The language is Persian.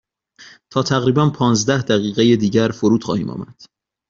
تا تقریبا پانزده دقیقه دیگر فرود خواهیم آمد.